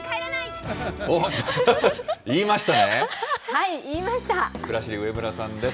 はい、くらしり、上村さんです。